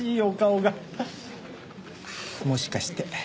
ああもしかして。